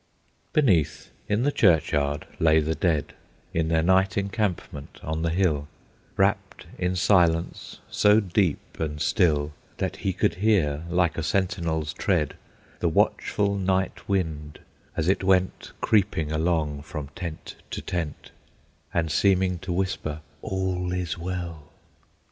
Beneath, in the churchyard, lay the dead, In their night encampment on the hill, Wrapped in silence so deep and still That he could hear, like a sentinel's tread, The watchful night wind, as it went Creeping along from tent to tent, And seeming to whisper, "All is well!"